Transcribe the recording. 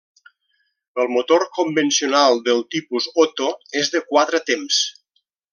El motor convencional del tipus Otto és de quatre temps.